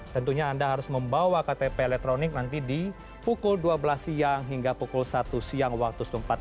tentunya anda harus membawa ktp elektronik nanti di pukul dua belas siang hingga pukul satu siang waktu setempat